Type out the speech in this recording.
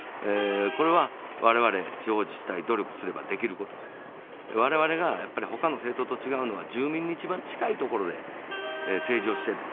これはわれわれ地方自治体、努力すればできることで、われわれがほかの政党と違うのは住民に一番近いところで政治をしている。